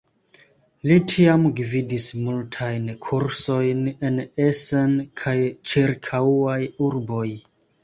Li tiam gvidis multajn kursojn en Essen kaj ĉirkaŭaj urboj.